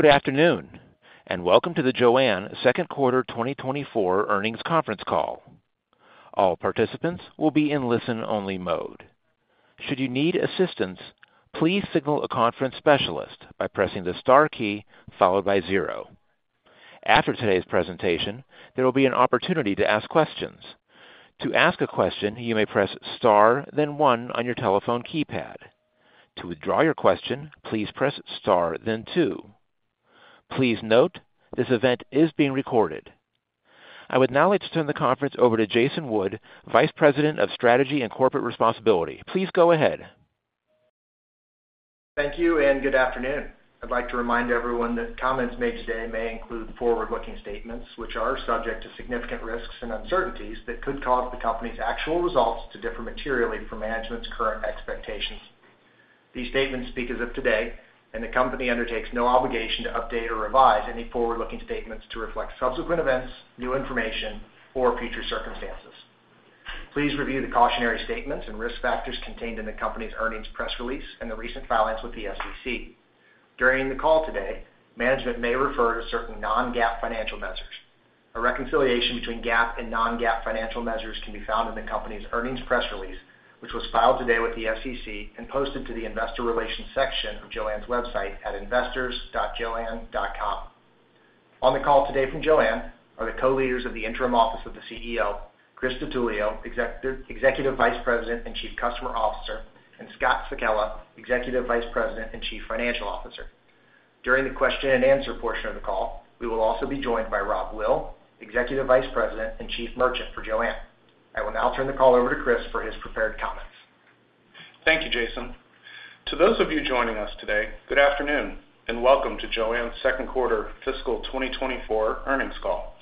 Good afternoon, and welcome to the JOANN Second Quarter 2024 Earnings Conference Call. All participants will be in listen-only mode. Should you need assistance, please signal a conference specialist by pressing the star key followed by zero. After today's presentation, there will be an opportunity to ask questions. To ask a question, you may press star, then one on your telephone keypad. To withdraw your question, please press star, then two. Please note, this event is being recorded. I would now like to turn the conference over to Jason Wood, Vice President of Strategy and Corporate Responsibility. Please go ahead. Thank you, and good afternoon. I'd like to remind everyone that comments made today may include forward-looking statements, which are subject to significant risks and uncertainties that could cause the company's actual results to differ materially from management's current expectations. These statements speak as of today, and the company undertakes no obligation to update or revise any forward-looking statements to reflect subsequent events, new information, or future circumstances. Please review the cautionary statements and risk factors contained in the company's earnings press release and the recent filings with the SEC. During the call today, management may refer to certain non-GAAP financial measures. A reconciliation between GAAP and non-GAAP financial measures can be found in the company's earnings press release, which was filed today with the SEC and posted to the investor relations section of JOANN's website at investors.joann.com. On the call today from JOANN are the co-leaders of the Interim Office of the CEO, Chris DiTullio, Executive Vice President and Chief Customer Officer, and Scott Sekella, Executive Vice President and Chief Financial Officer. During the question and answer portion of the call, we will also be joined by Rob Will, Executive Vice President and Chief Merchant for JOANN. I will now turn the call over to Chris for his prepared comments. Thank you, Jason. To those of you joining us today, good afternoon, and welcome to JOANN's second quarter fiscal 2024 earnings call.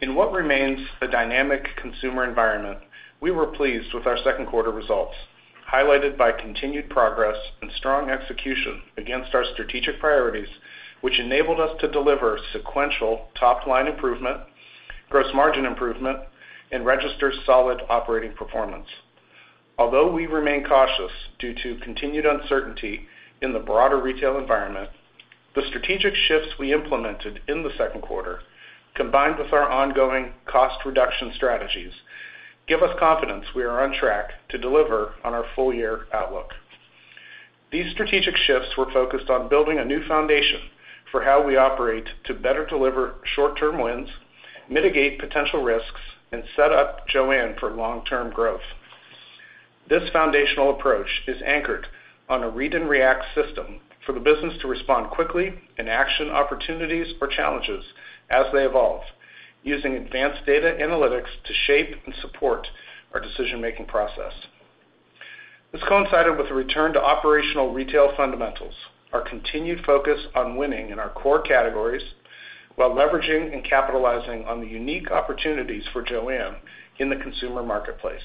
In what remains a dynamic consumer environment, we were pleased with our second quarter results, highlighted by continued progress and strong execution against our strategic priorities, which enabled us to deliver sequential top-line improvement, gross margin improvement, and register solid operating performance. Although we remain cautious due to continued uncertainty in the broader retail environment, the strategic shifts we implemented in the second quarter, combined with our ongoing cost reduction strategies, give us confidence we are on track to deliver on our full-year outlook. These strategic shifts were focused on building a new foundation for how we operate to better deliver short-term wins, mitigate potential risks, and set up JOANN for long-term growth. This foundational approach is anchored on a read and react system for the business to respond quickly and action opportunities or challenges as they evolve, using advanced data analytics to shape and support our decision-making process. This coincided with a return to operational retail fundamentals, our continued focus on winning in our core categories, while leveraging and capitalizing on the unique opportunities for JOANN in the consumer marketplace.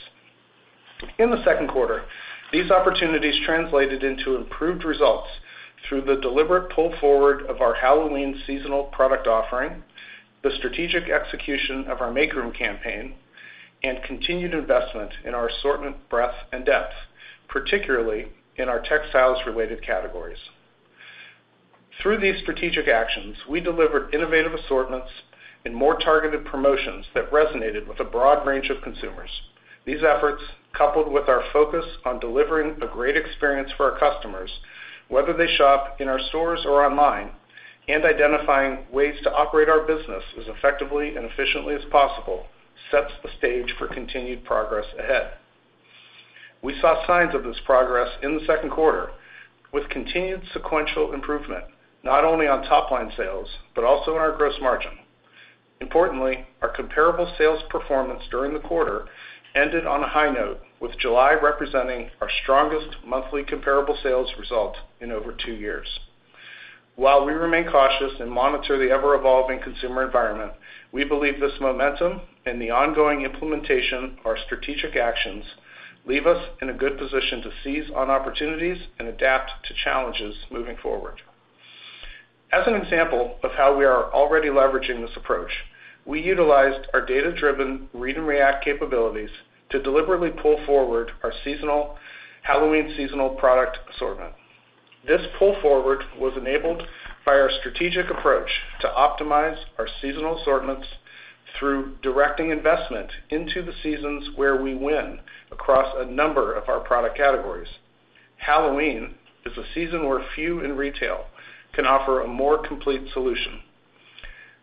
In the second quarter, these opportunities translated into improved results through the deliberate pull forward of our Halloween seasonal product offering, the strategic execution of our Make Room campaign, and continued investment in our assortment, breadth, and depth, particularly in our textiles-related categories. Through these strategic actions, we delivered innovative assortments and more targeted promotions that resonated with a broad range of consumers. These efforts, coupled with our focus on delivering a great experience for our customers, whether they shop in our stores or online, and identifying ways to operate our business as effectively and efficiently as possible, sets the stage for continued progress ahead. We saw signs of this progress in the second quarter, with continued sequential improvement, not only on top-line sales, but also in our gross margin. Importantly, our comparable sales performance during the quarter ended on a high note, with July representing our strongest monthly comparable sales result in over two years. While we remain cautious and monitor the ever-evolving consumer environment, we believe this momentum and the ongoing implementation of our strategic actions leave us in a good position to seize on opportunities and adapt to challenges moving forward. As an example of how we are already leveraging this approach, we utilized our data-driven read and react capabilities to deliberately pull forward our seasonal, Halloween seasonal product assortment. This pull forward was enabled by our strategic approach to optimize our seasonal assortments through directing investment into the seasons where we win across a number of our product categories. Halloween is a season where few in retail can offer a more complete solution.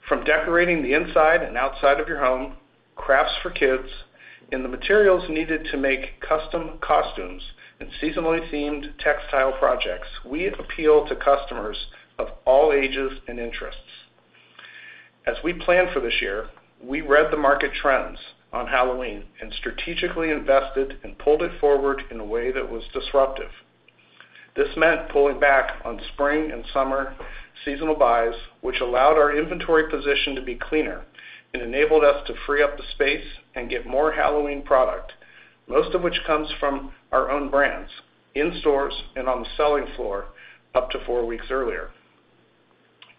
From decorating the inside and outside of your home, crafts for kids, and the materials needed to make custom costumes and seasonally themed textile projects, we appeal to customers of all ages and interests. As we planned for this year, we read the market trends on Halloween and strategically invested and pulled it forward in a way that was disruptive. This meant pulling back on spring and summer seasonal buys, which allowed our inventory position to be cleaner and enabled us to free up the space and get more Halloween product, most of which comes from our own brands, in stores and on the selling floor up to four weeks earlier.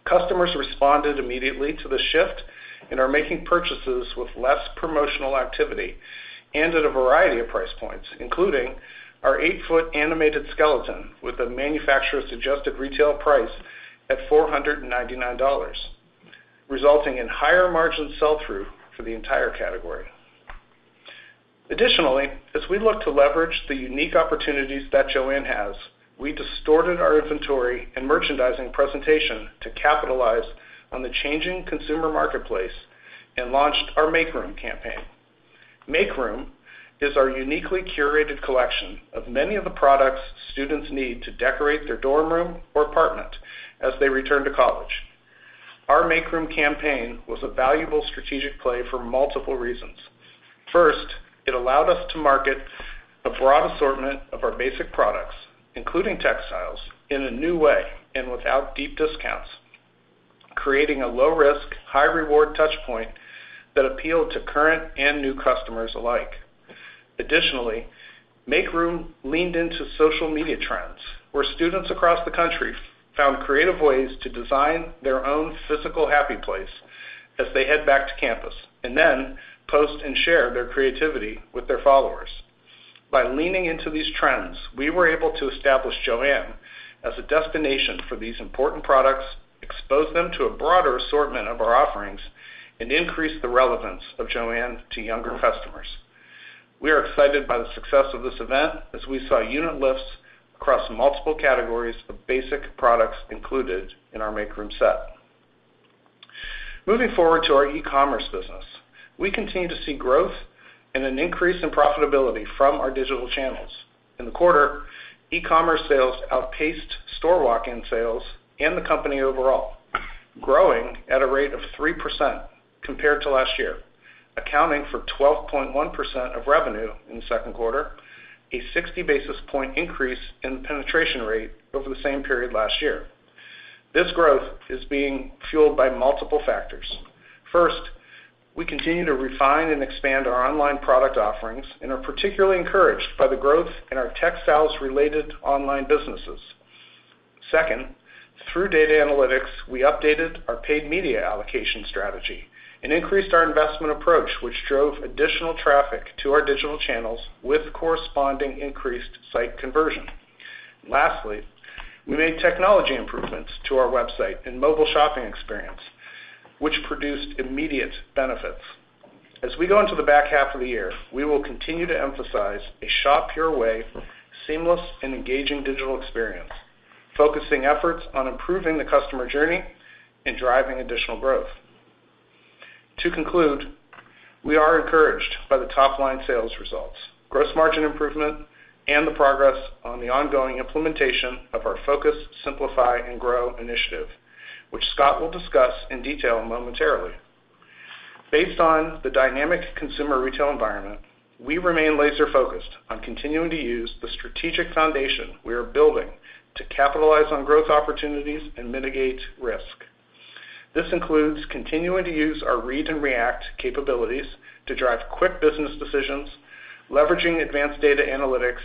Customers responded immediately to the shift and are making purchases with less promotional activity and at a variety of price points, including our eight-foot animated skeleton, with a manufacturer's adjusted retail price at $499, resulting in higher margin sell-through for the entire category. Additionally, as we look to leverage the unique opportunities that JOANN has, we distorted our inventory and merchandising presentation to capitalize on the changing consumer marketplace and launched our Make Room campaign. Make Room is our uniquely curated collection of many of the products students need to decorate their dorm room or apartment as they return to college. Our Make Room campaign was a valuable strategic play for multiple reasons. First, it allowed us to market a broad assortment of our basic products, including textiles, in a new way and without deep discounts, creating a low-risk, high-reward touch point that appealed to current and new customers alike. Additionally, Make Room leaned into social media trends, where students across the country found creative ways to design their own physical happy place as they head back to campus, and then post and share their creativity with their followers. By leaning into these trends, we were able to establish JOANN as a destination for these important products, expose them to a broader assortment of our offerings, and increase the relevance of JOANN to younger customers. We are excited by the success of this event, as we saw unit lifts across multiple categories of basic products included in our Make Room set. Moving forward to our e-commerce business, we continue to see growth and an increase in profitability from our digital channels. In the quarter, e-commerce sales outpaced store walk-in sales and the company overall, growing at a rate of 3% compared to last year, accounting for 12.1% of revenue in the second quarter, a 60 basis point increase in the penetration rate over the same period last year. This growth is being fueled by multiple factors. First, we continue to refine and expand our online product offerings and are particularly encouraged by the growth in our textiles-related online businesses. Second, through data analytics, we updated our paid media allocation strategy and increased our investment approach, which drove additional traffic to our digital channels with corresponding increased site conversion. Lastly, we made technology improvements to our website and mobile shopping experience, which produced immediate benefits. As we go into the back half of the year, we will continue to emphasize a shop your way, seamless and engaging digital experience, focusing efforts on improving the customer journey and driving additional growth. To conclude, we are encouraged by the top-line sales results, gross margin improvement, and the progress on the ongoing implementation of our Focus, Simplify, and Grow initiative, which Scott will discuss in detail momentarily. Based on the dynamic consumer retail environment, we remain laser-focused on continuing to use the strategic foundation we are building to capitalize on growth opportunities and mitigate risk. This includes continuing to use our read and react capabilities to drive quick business decisions, leveraging advanced data analytics,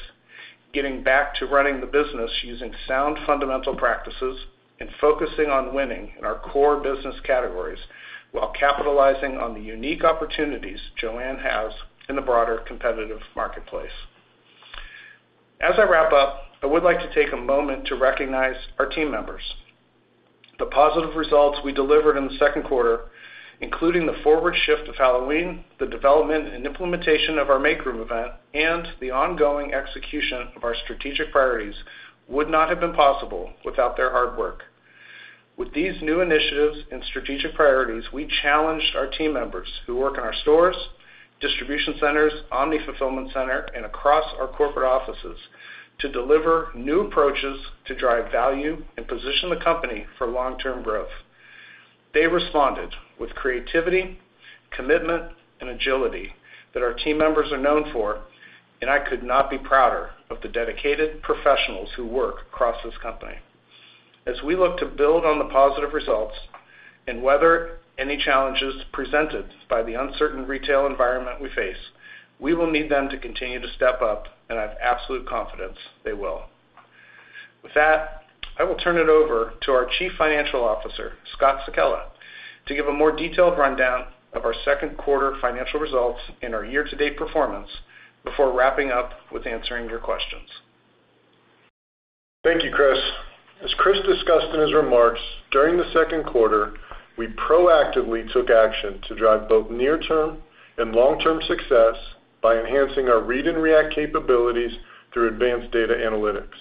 getting back to running the business using sound, fundamental practices, and focusing on winning in our core business categories while capitalizing on the unique opportunities JOANN has in the broader competitive marketplace. As I wrap up, I would like to take a moment to recognize our team members. The positive results we delivered in the second quarter, including the forward shift of Halloween, the development and implementation of our Make Room event, and the ongoing execution of our strategic priorities, would not have been possible without their hard work. With these new initiatives and strategic priorities, we challenged our team members who work in our stores, distribution centers, Omni Fulfillment Center, and across our corporate offices to deliver new approaches to drive value and position the company for long-term growth. They responded with creativity, commitment, and agility that our team members are known for, and I could not be prouder of the dedicated professionals who work across this company. As we look to build on the positive results and weather any challenges presented by the uncertain retail environment we face, we will need them to continue to step up, and I have absolute confidence they will. With that, I will turn it over to our Chief Financial Officer, Scott Sekella, to give a more detailed rundown of our second quarter financial results and our year-to-date performance before wrapping up with answering your questions. Thank you, Chris. As Chris discussed in his remarks, during the second quarter, we proactively took action to drive both near-term and long-term success by enhancing our read and react capabilities through advanced data analytics.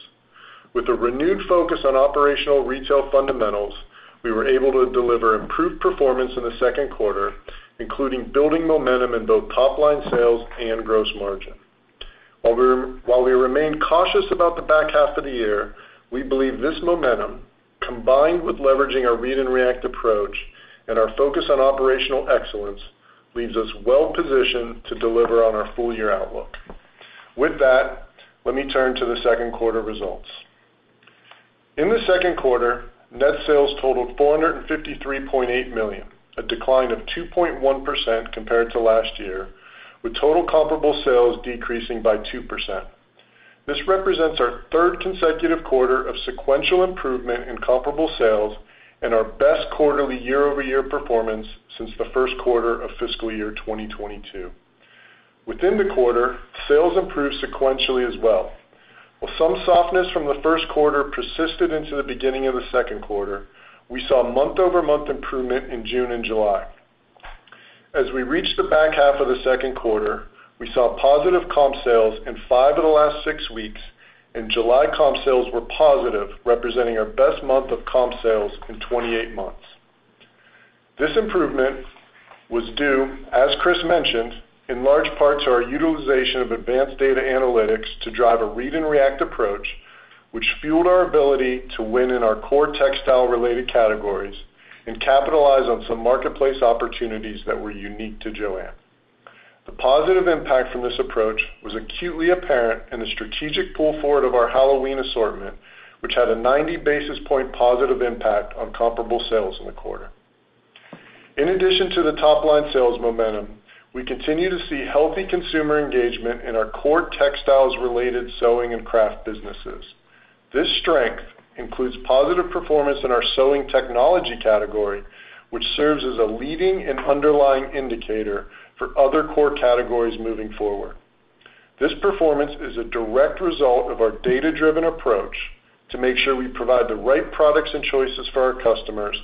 With a renewed focus on operational retail fundamentals, we were able to deliver improved performance in the second quarter, including building momentum in both top-line sales and gross margin. While we remain cautious about the back half of the year, we believe this momentum, combined with leveraging our read and react approach and our focus on operational excellence, leaves us well positioned to deliver on our full-year outlook. With that, let me turn to the second quarter results. In the second quarter, net sales totaled $453.8 million, a decline of 2.1% compared to last year, with total comparable sales decreasing by 2%.... This represents our third consecutive quarter of sequential improvement in comparable sales and our best quarterly year-over-year performance since the first quarter of fiscal year 2022. Within the quarter, sales improved sequentially as well. While some softness from the first quarter persisted into the beginning of the second quarter, we saw month-over-month improvement in June and July. As we reached the back half of the second quarter, we saw positive comp sales in five of the last six weeks, and July comp sales were positive, representing our best month of comp sales in 28 months. This improvement was due, as Chris mentioned, in large part to our utilization of advanced data analytics to drive a read-and-react approach, which fueled our ability to win in our core textile-related categories and capitalize on some marketplace opportunities that were unique to JOANN. The positive impact from this approach was acutely apparent in the strategic pull forward of our Halloween assortment, which had a 90 basis point positive impact on comparable sales in the quarter. In addition to the top-line sales momentum, we continue to see healthy consumer engagement in our core textiles-related sewing and craft businesses. This strength includes positive performance in our sewing technology category, which serves as a leading and underlying indicator for other core categories moving forward. This performance is a direct result of our data-driven approach to make sure we provide the right products and choices for our customers,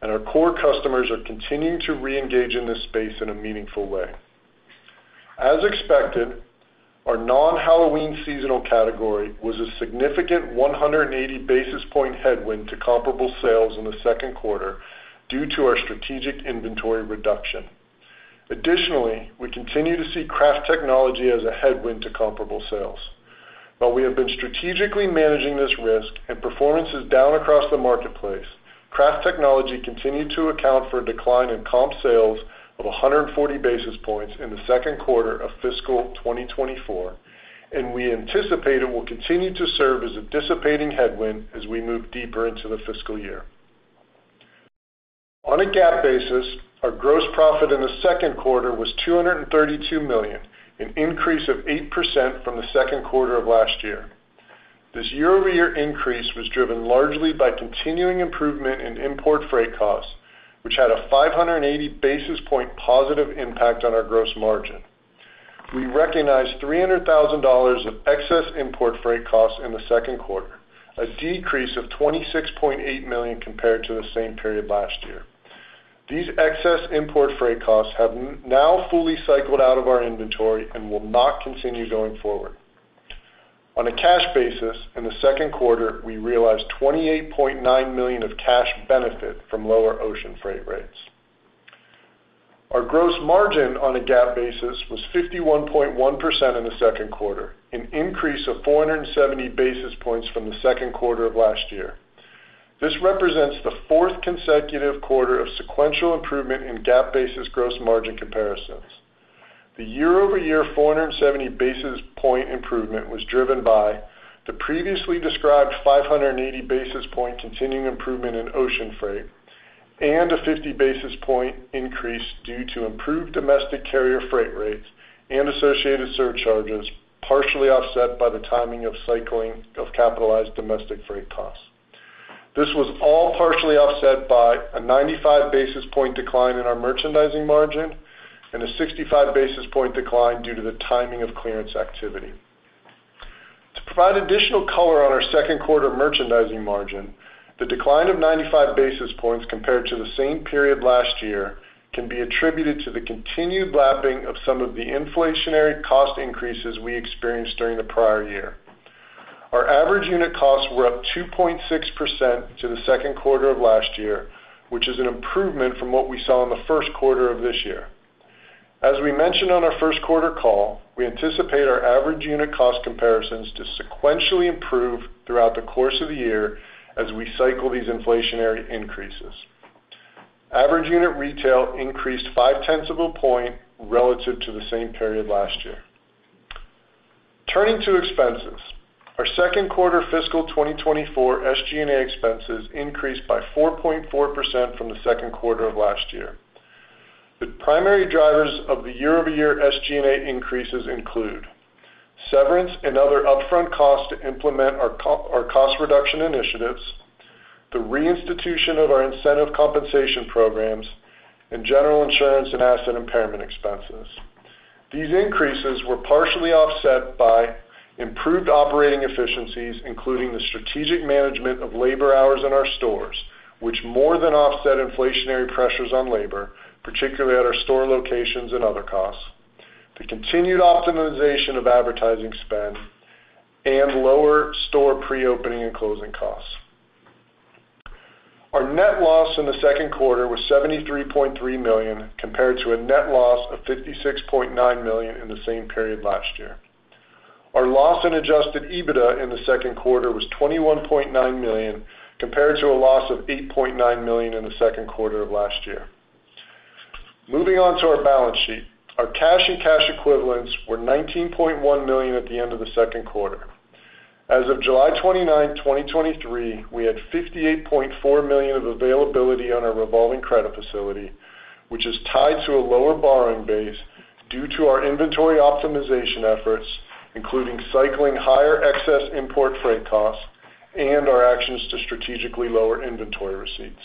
and our core customers are continuing to reengage in this space in a meaningful way. As expected, our non-Halloween seasonal category was a significant 180 basis point headwind to comparable sales in the second quarter due to our strategic inventory reduction. Additionally, we continue to see craft technology as a headwind to comparable sales. While we have been strategically managing this risk and performance is down across the marketplace, craft technology continued to account for a decline in comp sales of 100 basis points in the second quarter of fiscal 2024, and we anticipate it will continue to serve as a dissipating headwind as we move deeper into the fiscal year. On a GAAP basis, our gross profit in the second quarter was $232 million, an increase of 8% from the second quarter of last year. This year-over-year increase was driven largely by continuing improvement in import freight costs, which had a 580 basis point positive impact on our gross margin. We recognized $300,000 of excess import freight costs in the second quarter, a decrease of $26.8 million compared to the same period last year. These excess import freight costs have now fully cycled out of our inventory and will not continue going forward. On a cash basis, in the second quarter, we realized $28.9 million of cash benefit from lower ocean freight rates. Our gross margin on a GAAP basis was 51.1% in the second quarter, an increase of 470 basis points from the second quarter of last year. This represents the fourth consecutive quarter of sequential improvement in GAAP-basis gross margin comparisons. The year-over-year 470 basis point improvement was driven by the previously described 580 basis point continuing improvement in ocean freight and a 50 basis point increase due to improved domestic carrier freight rates and associated surcharges, partially offset by the timing of cycling of capitalized domestic freight costs. This was all partially offset by a 95 basis point decline in our Merchandising Margin and a 65 basis point decline due to the timing of clearance activity. To provide additional color on our second quarter Merchandising Margin, the decline of 95 basis points compared to the same period last year can be attributed to the continued lapping of some of the inflationary cost increases we experienced during the prior year. Our average unit costs were up 2.6% to the second quarter of last year, which is an improvement from what we saw in the first quarter of this year. As we mentioned on our first quarter call, we anticipate our average unit cost comparisons to sequentially improve throughout the course of the year as we cycle these inflationary increases. Average unit retail increased 0.5 of a point relative to the same period last year. Turning to expenses. Our second quarter fiscal 2024 SG&A expenses increased by 4.4% from the second quarter of last year. The primary drivers of the year-over-year SG&A increases include: severance and other upfront costs to implement our cost reduction initiatives, the reinstitution of our incentive compensation programs, and general insurance and asset impairment expenses. These increases were partially offset by improved operating efficiencies, including the strategic management of labor hours in our stores, which more than offset inflationary pressures on labor, particularly at our store locations and other costs, the continued optimization of advertising spend, and lower store pre-opening and closing costs. Our net loss in the second quarter was $73.3 million, compared to a net loss of $56.9 million in the same period last year. Our loss in Adjusted EBITDA in the second quarter was $21.9 million, compared to a loss of $8.9 million in the second quarter of last year. Moving on to our balance sheet. Our cash and cash equivalents were $19.1 million at the end of the second quarter. As of July 29, 2023, we had $58.4 million of availability on our revolving credit facility, which is tied to a lower borrowing base due to our inventory optimization efforts, including cycling higher excess import freight costs and our actions to strategically lower inventory receipts.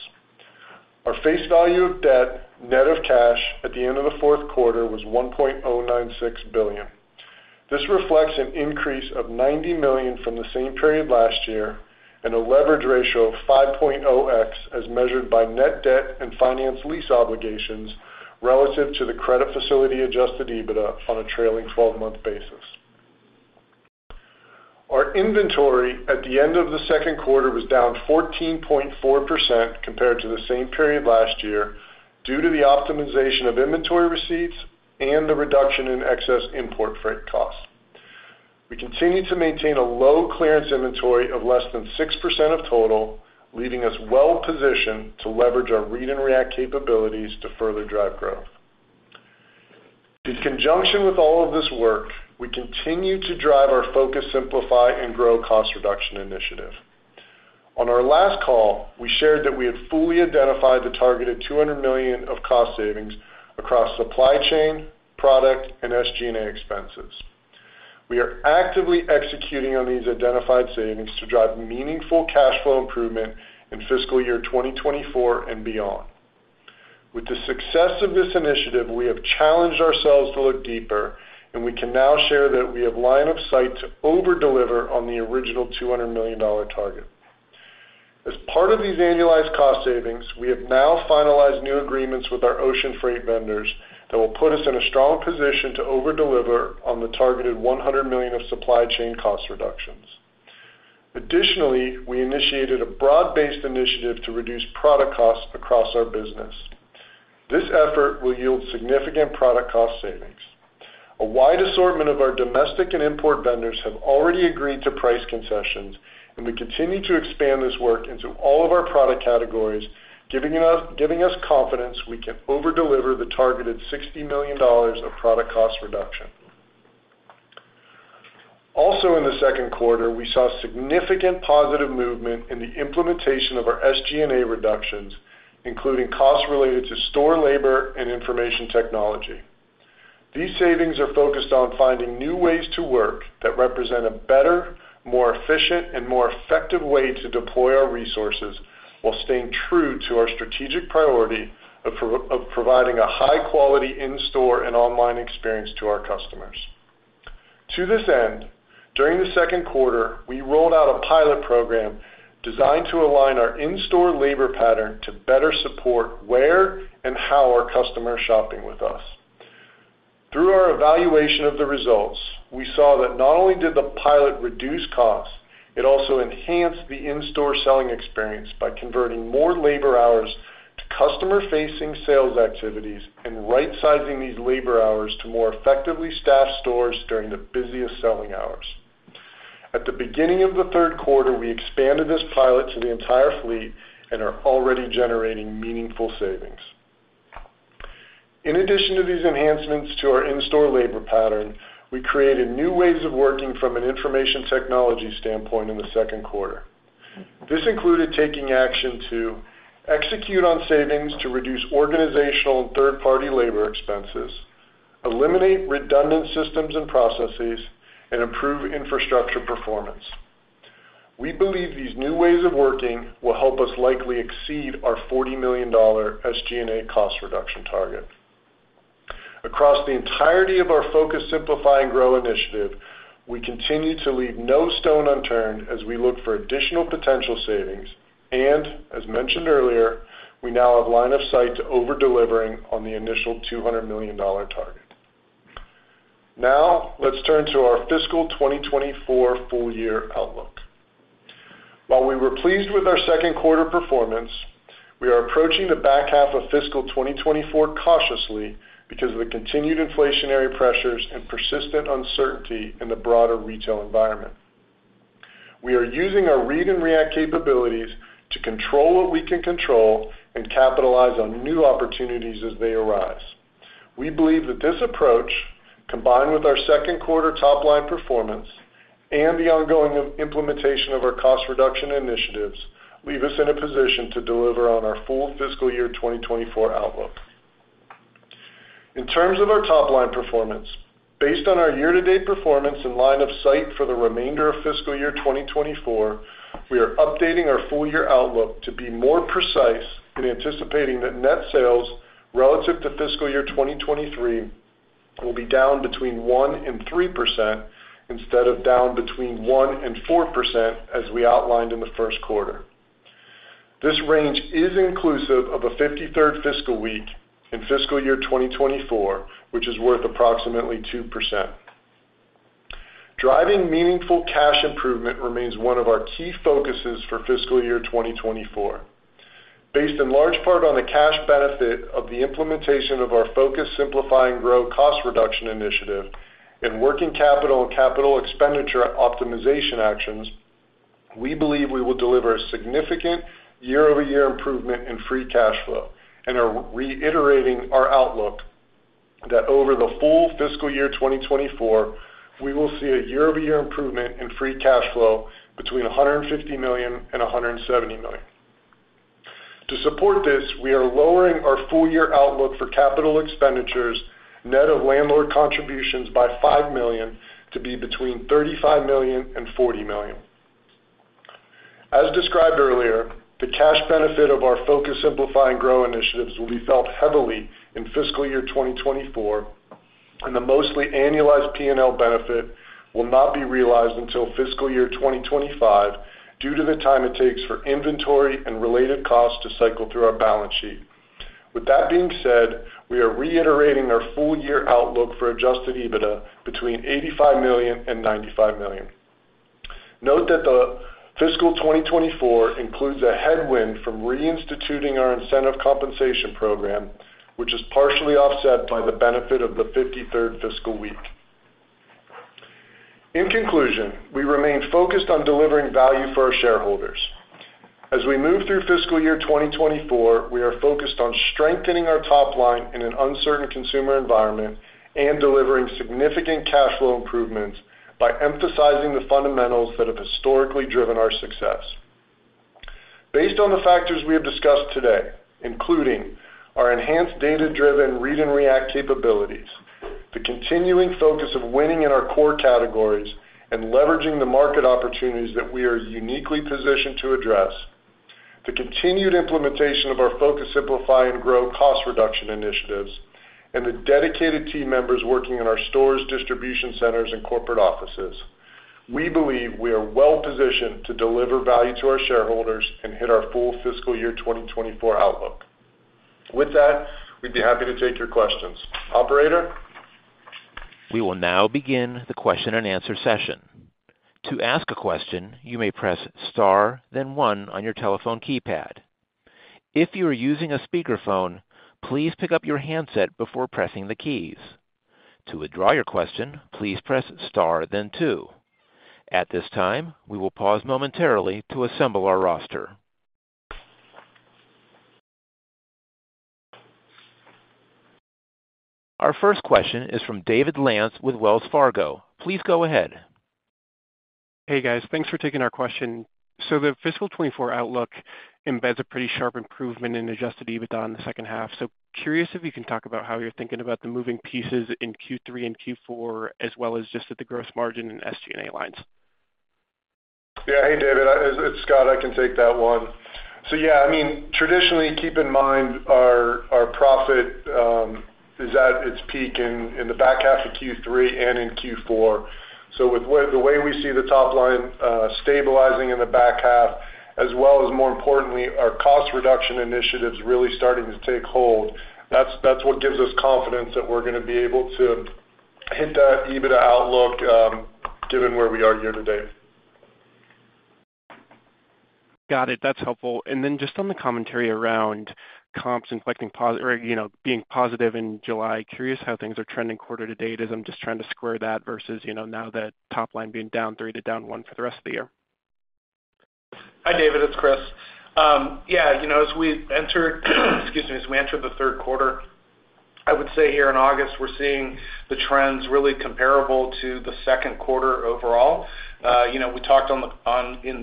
Our face value of debt, net of cash, at the end of the fourth quarter was $1.096 billion. This reflects an increase of $90 million from the same period last year, and a leverage ratio of 5.0x, as measured by net debt and finance lease obligations relative to the credit facility adjusted EBITDA on a trailing twelve-month basis. Our inventory at the end of the second quarter was down 14.4% compared to the same period last year, due to the optimization of inventory receipts and the reduction in excess import freight costs. We continue to maintain a low clearance inventory of less than 6% of total, leaving us well positioned to leverage our read and react capabilities to further drive growth. In conjunction with all of this work, we continue to drive our Focus, Simplify and Grow cost reduction initiative. On our last call, we shared that we had fully identified the targeted $200 million of cost savings across supply chain, product, and SG&A expenses. We are actively executing on these identified savings to drive meaningful cash flow improvement in fiscal year 2024 and beyond. With the success of this initiative, we have challenged ourselves to look deeper, and we can now share that we have line of sight to over-deliver on the original $200 million target. As part of these annualized cost savings, we have now finalized new agreements with our ocean freight vendors that will put us in a strong position to over-deliver on the targeted $100 million of supply chain cost reductions. Additionally, we initiated a broad-based initiative to reduce product costs across our business. This effort will yield significant product cost savings. A wide assortment of our domestic and import vendors have already agreed to price concessions, and we continue to expand this work into all of our product categories, giving us, giving us confidence we can over-deliver the targeted $60 million of product cost reduction. Also in the second quarter, we saw significant positive movement in the implementation of our SG&A reductions, including costs related to store labor and information technology. These savings are focused on finding new ways to work that represent a better, more efficient, and more effective way to deploy our resources while staying true to our strategic priority of providing a high-quality in-store and online experience to our customers. To this end, during the second quarter, we rolled out a pilot program designed to align our in-store labor pattern to better support where and how our customers are shopping with us. Through our evaluation of the results, we saw that not only did the pilot reduce costs, it also enhanced the in-store selling experience by converting more labor hours to customer-facing sales activities and right-sizing these labor hours to more effectively staff stores during the busiest selling hours. At the beginning of the third quarter, we expanded this pilot to the entire fleet and are already generating meaningful savings. In addition to these enhancements to our in-store labor pattern, we created new ways of working from an information technology standpoint in the second quarter. This included taking action to execute on savings to reduce organizational and third-party labor expenses, eliminate redundant systems and processes, and improve infrastructure performance. We believe these new ways of working will help us likely exceed our $40 million SG&A cost reduction target. Across the entirety of our Focus, Simplify, and Grow initiative, we continue to leave no stone unturned as we look for additional potential savings, and, as mentioned earlier, we now have line of sight to over-delivering on the initial $200 million target. Now, let's turn to our fiscal 2024 full-year outlook. While we were pleased with our second quarter performance, we are approaching the back half of fiscal 2024 cautiously because of the continued inflationary pressures and persistent uncertainty in the broader retail environment. We are using our read and react capabilities to control what we can control and capitalize on new opportunities as they arise. We believe that this approach, combined with our second quarter top-line performance and the ongoing implementation of our cost reduction initiatives, leave us in a position to deliver on our full fiscal year 2024 outlook. In terms of our top-line performance, based on our year-to-date performance and line of sight for the remainder of fiscal year 2024, we are updating our full-year outlook to be more precise in anticipating that net sales relative to fiscal year 2023 will be down between 1% and 3% instead of down between 1% and 4%, as we outlined in the first quarter. This range is inclusive of a 53rd fiscal week in fiscal year 2024, which is worth approximately 2%. Driving meaningful cash improvement remains one of our key focuses for fiscal year 2024. Based in large part on the cash benefit of the implementation of our Focus, Simplify, and Grow cost reduction initiative and working capital and capital expenditure optimization actions-... We believe we will deliver a significant year-over-year improvement in free cash flow and are reiterating our outlook that over the full fiscal year 2024, we will see a year-over-year improvement in free cash flow between $150 million and $170 million. To support this, we are lowering our full year outlook for capital expenditures, net of landlord contributions by $5 million, to be between $35 million and $40 million. As described earlier, the cash benefit of our Focus, Simplify, and Grow initiatives will be felt heavily in fiscal year 2024, and the mostly annualized PNL benefit will not be realized until fiscal year 2025 due to the time it takes for inventory and related costs to cycle through our balance sheet. With that being said, we are reiterating our full year outlook for Adjusted EBITDA between $85 million and $95 million. Note that the fiscal 2024 includes a headwind from reinstituting our incentive compensation program, which is partially offset by the benefit of the 53rd fiscal week. In conclusion, we remain focused on delivering value for our shareholders. As we move through fiscal year 2024, we are focused on strengthening our top line in an uncertain consumer environment and delivering significant cash flow improvements by emphasizing the fundamentals that have historically driven our success. Based on the factors we have discussed today, including our enhanced data-driven read-and-react capabilities, the continuing focus of winning in our core categories and leveraging the market opportunities that we are uniquely positioned to address, the continued implementation of our Focus, Simplify, and Grow cost reduction initiatives, and the dedicated team members working in our stores, distribution centers, and corporate offices, we believe we are well positioned to deliver value to our shareholders and hit our full fiscal year 2024 outlook. With that, we'd be happy to take your questions. Operator? We will now begin the question-and-answer session. To ask a question, you may press star, then one on your telephone keypad. If you are using a speakerphone, please pick up your handset before pressing the keys. To withdraw your question, please press star then two. At this time, we will pause momentarily to assemble our roster. Our first question is from David Lantz with Wells Fargo. Please go ahead. Hey, guys. Thanks for taking our question. So the fiscal 2024 outlook embeds a pretty sharp improvement in Adjusted EBITDA in the second half. So curious if you can talk about how you're thinking about the moving pieces in Q3 and Q4, as well as just at the gross margin and SG&A lines. Yeah. Hey, David, it's Scott. I can take that one. So yeah, I mean, traditionally, keep in mind, our profit is at its peak in the back half of Q3 and in Q4. So with the way we see the top line stabilizing in the back half, as well as, more importantly, our cost reduction initiatives really starting to take hold, that's what gives us confidence that we're gonna be able to hit that EBITDA outlook, given where we are year to date. Got it. That's helpful. And then just on the commentary around comps and, or, you know, being positive in July, curious how things are trending quarter to date, as I'm just trying to square that versus, you know, now that top line being down 3 to down 1 for the rest of the year. Hi, David, it's Chris. Yeah, you know, as we enter, excuse me, as we enter the third quarter, I would say here in August, we're seeing the trends really comparable to the second quarter overall. You know, we talked in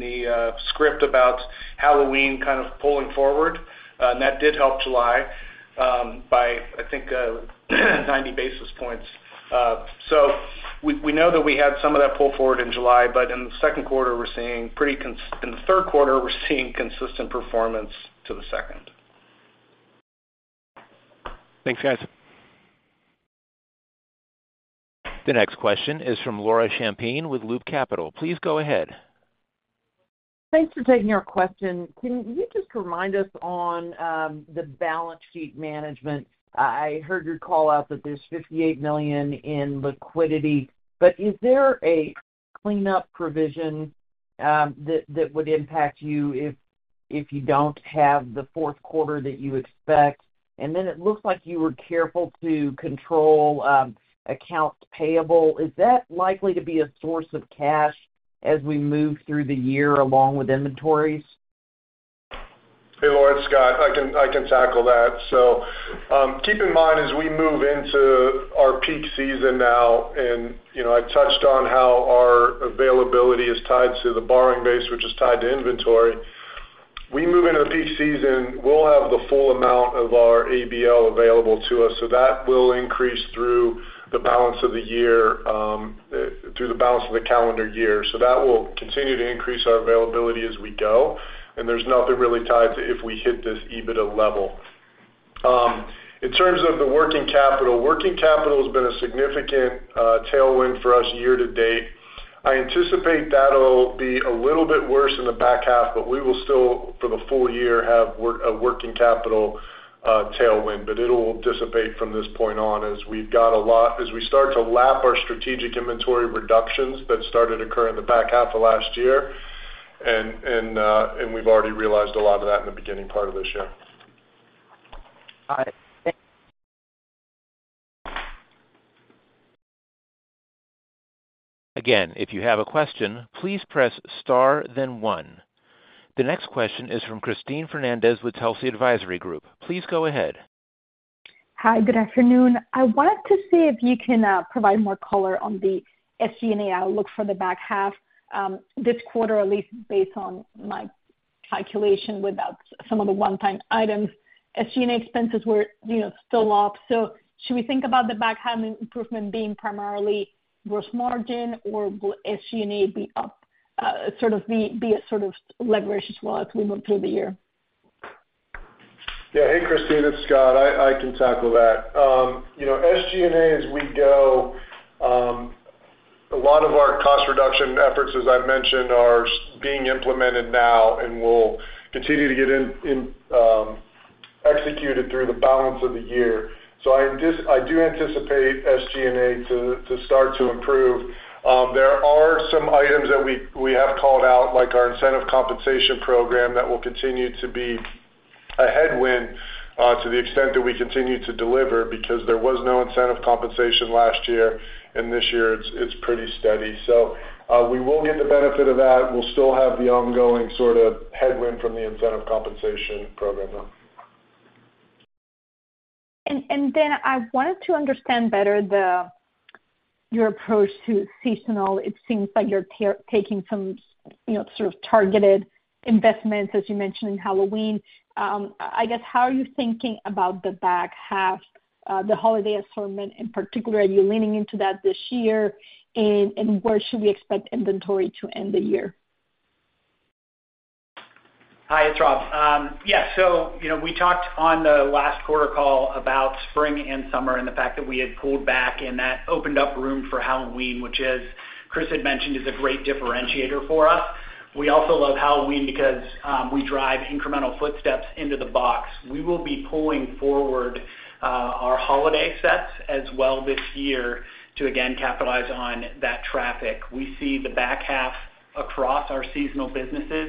the script about Halloween kind of pulling forward, and that did help July by, I think, 90 basis points. So we know that we had some of that pull forward in July, but in the third quarter, we're seeing consistent performance to the second. Thanks, guys. The next question is from Laura Champine with Loop Capital. Please go ahead. Thanks for taking our question. Can you just remind us on the balance sheet management? I heard your call out that there's $58 million in liquidity, but is there a cleanup provision that would impact you if you don't have the fourth quarter that you expect? And then it looks like you were careful to control accounts payable. Is that likely to be a source of cash as we move through the year along with inventories? Hey, Laura, it's Scott. I can tackle that. So, keep in mind, as we move into our peak season now, and, you know, I touched on how our availability is tied to the borrowing base, which is tied to inventory. We move into the peak season, we'll have the full amount of our ABL available to us, so that will increase through the balance of the year, through the balance of the calendar year. So that will continue to increase our availability as we go, and there's nothing really tied to if we hit this EBITDA level. In terms of the working capital, working capital has been a significant tailwind for us year to date. I anticipate that'll be a little bit worse in the back half, but we will still, for the full year, have working capital tailwind. But it'll dissipate from this point on as we've got a lot, as we start to lap our strategic inventory reductions that started to occur in the back half of last year, and we've already realized a lot of that in the beginning part of this year. Hi- ...Again, if you have a question, please press Star, then one. The next question is from Cristina Fernández with Telsea Advisory Group. Please go ahead. Hi, good afternoon. I wanted to see if you can provide more color on the SG&A outlook for the back half. This quarter, at least based on my calculation, without some of the one-time items, SG&A expenses were, you know, still up. So should we think about the back half improvement being primarily gross margin, or will SG&A be up, sort of be a sort of leverage as well as we move through the year? Yeah. Hey, Cristina, it's Scott. I can tackle that. You know, SG&A, as we go, a lot of our cost reduction efforts, as I mentioned, are being implemented now and will continue to get executed through the balance of the year. So I do anticipate SG&A to start to improve. There are some items that we have called out, like our incentive compensation program, that will continue to be a headwind to the extent that we continue to deliver, because there was no incentive compensation last year, and this year it's pretty steady. So we will get the benefit of that. We'll still have the ongoing sort of headwind from the incentive compensation program, though. And then I wanted to understand better your approach to seasonal. It seems like you're taking some, you know, sort of targeted investments, as you mentioned, in Halloween. I guess, how are you thinking about the back half, the holiday assortment in particular? Are you leaning into that this year, and where should we expect inventory to end the year? Hi, it's Rob. Yeah, so you know, we talked on the last quarter call about spring and summer and the fact that we had pulled back and that opened up room for Halloween, which is, Chris had mentioned, is a great differentiator for us. We also love Halloween because, we drive incremental footsteps into the box. We will be pulling forward, our holiday sets as well this year to again capitalize on that traffic. We see the back half across our seasonal businesses.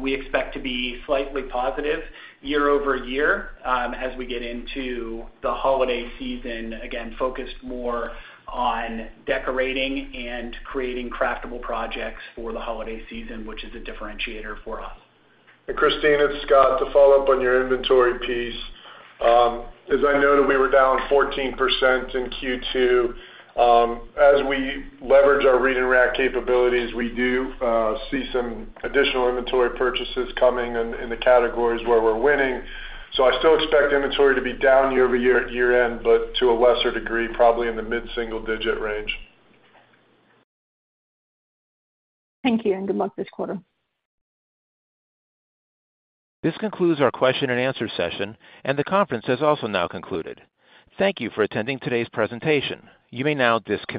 We expect to be slightly positive year-over-year, as we get into the holiday season. Again, focused more on decorating and creating craftable projects for the holiday season, which is a differentiator for us. Cristina, it's Scott. To follow up on your inventory piece, as I noted, we were down 14% in Q2. As we leverage our read-and-react capabilities, we do see some additional inventory purchases coming in, in the categories where we're winning. So I still expect inventory to be down year-over-year at year-end, but to a lesser degree, probably in the mid-single-digit range. Thank you, and good luck this quarter. This concludes our question-and-answer session, and the conference has also now concluded. Thank you for attending today's presentation. You may now disconnect.